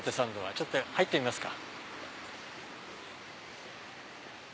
ちょっと入ってみますか。